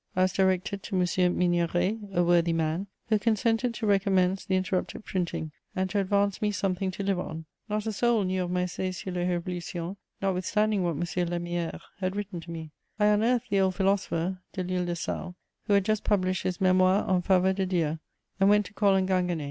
I was directed to M. Migneret, a worthy man, who consented to recommence the interrupted printing, and to advance me something to live on. Not a soul knew of my Essai sur les révolutions, notwithstanding what M. Lemierre had written to me. I unearthed the old philosopher, Delisle de Sales, who had just published his Mémoire en faveur de Dieu, and went to call on Ginguené.